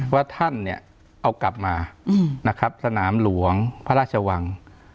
ว่าท่านเนี่ยเอากลับมานะครับสนามหลวงพระราชวัง